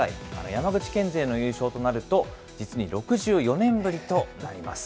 山口県勢の優勝となると、実に６４年ぶりとなります。